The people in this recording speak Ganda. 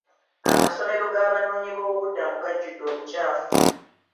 Amasomero g'abanoonyiboobubudamu gajjudde obukyafu.